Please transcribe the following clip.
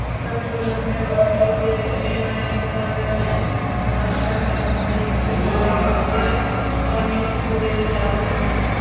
চট্টগ্রামে রন্টিদের এনায়েত বাজারের বাসার সামনের একটি বাড়িতে অনেক ফুলের গাছ ছিল।